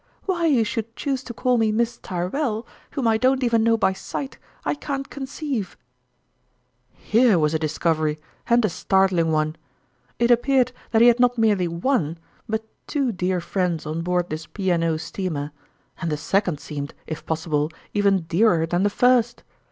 Why you should choose to call me Miss Tyrrell, whom I don't even know by sight, I can't conceive !" Here was a discovery, and a startling one ! It appeared that he had not merely one, but two dear friends on board this P. and O. steamer ; and the second seemed, if possible, even dearer than the first!